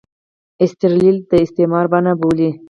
ایسټرلي دا د استثمار بڼه بولي.